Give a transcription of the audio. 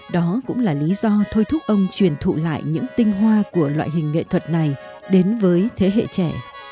đó cũng là lý do thôi thúc ông truyền thụ lại những tinh hoa của loại hình nghệ thuật này đến với thế hệ trẻ